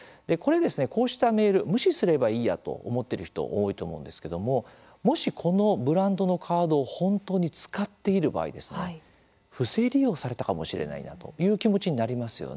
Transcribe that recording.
こうしたメール無視すればいいやと思ってる人多いと思うんですけどももし、このブランドのカードを本当に使っている場合不正利用されたかもしれないなという気持ちになりますよね。